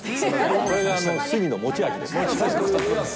これが鷲見の持ち味です。